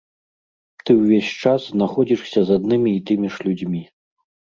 Ты ўвесь час знаходзішся з аднымі і тымі ж людзьмі.